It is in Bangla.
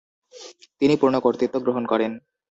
তিনি পূর্ণ কর্তৃত্ব গ্রহণ করেন।